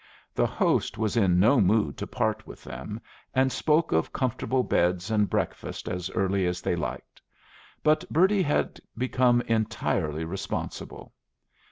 The host was in no mood to part with them, and spoke of comfortable beds and breakfast as early as they liked; but Bertie had become entirely responsible.